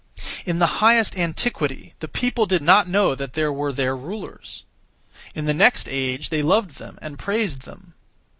In the highest antiquity, (the people) did not know that there were (their rulers). In the next age they loved them and praised them.